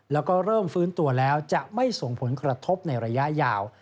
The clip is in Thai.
แล้วก็เริ่มฟื้นตัวแล้วจะไม่ส่งผลกระทบในระยะยาว